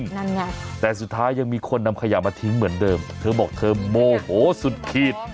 นั่นไงแต่สุดท้ายยังมีคนนำขยะมาทิ้งเหมือนเดิมเธอบอกเธอโมโหสุดขีด